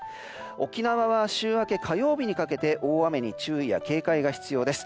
沖縄は週明け火曜日にかけて大雨に注意や警戒が必要です。